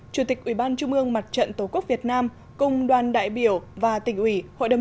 chủ tịch ủy ban trung ương mặt trận tổ quốc việt nam cùng đoàn đại biểu và tỉnh ủy hội đồng